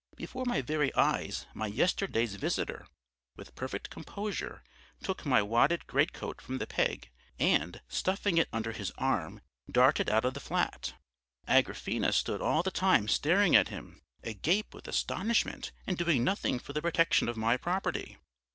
Before my very eyes my yesterday's visitor, with perfect composure, took my wadded greatcoat from the peg and, stuffing it under his arm, darted out of the flat. Agrafena stood all the time staring at him, agape with astonishment and doing nothing for the protection of my property.